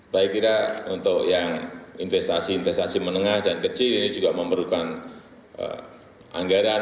saya kira untuk yang investasi investasi menengah dan kecil ini juga memerlukan anggaran